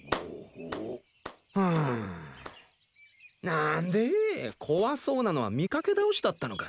なんでぇ怖そうなのは見かけ倒しだったのか。